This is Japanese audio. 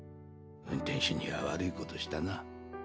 運転手には悪いことしたな。